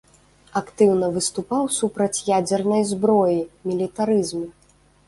Актыўна выступаў супраць ядзернай зброі, мілітарызму.